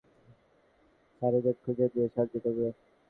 তো তুমি আমাদের একজন সারোগেট খুঁজে দিয়ে সাহায্য করবে?